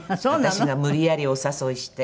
私が無理やりお誘いして。